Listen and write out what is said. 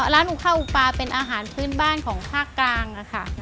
อูข้าวอุปลาเป็นอาหารพื้นบ้านของภาคกลางค่ะ